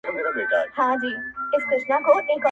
نه په داد به څوك رسېږي د خوارانو -